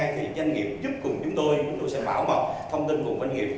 thì doanh nghiệp giúp cùng chúng tôi chúng tôi sẽ bảo mọc thông tin của doanh nghiệp